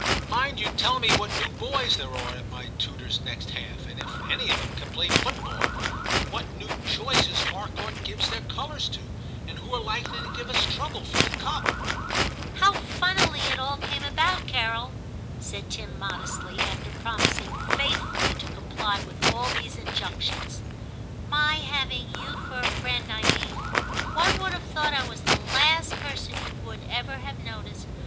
Mind you tell me what new boys there are at my tutor's next half, and if any of 'em can play football, and what new VIII TIM 183 choices Harcourt gives their colours to, and who are likely to give us trouble for the cup/ ' How funnily it all came about, Carol,' said Tim modestly, after promising faithfully to comply with all these injunctions, — *my having you for a friend, I mean. One would have thought I was the last person you would ever have noticed.